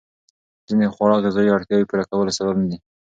ځینې خواړه د غذایي اړتیاوو پوره کولو سبب ندي.